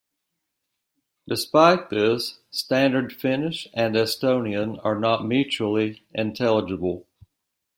Despite this, standard Finnish and Estonian are not mutually intelligible.